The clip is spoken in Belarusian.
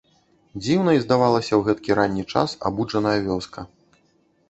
Дзіўнай здавалася ў гэткі ранні час абуджаная вёска.